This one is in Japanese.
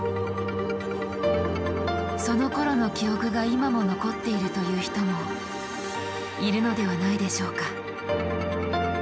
そのころの記憶が今も残っているという人もいるのではないでしょうか。